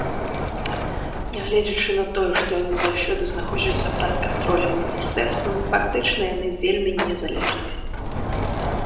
Нягледзячы на тое, што яны заўсёды знаходзяцца пад кантролем міністэрстваў, фактычна яны вельмі незалежныя.